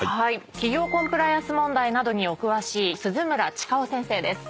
企業コンプライアンス問題などにお詳しい鈴村近雄先生です。